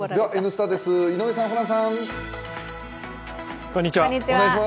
「Ｎスタ」です、井上さん、ホランさん。